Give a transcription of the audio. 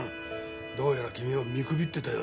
どうやら君を見くびってたようだ。